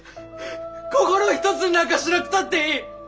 心を一つになんかしなくたっていい。